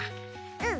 うん。